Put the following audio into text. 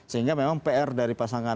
sehingga memang pr dari pasangan